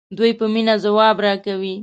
دوی په مینه ځواب راکوي.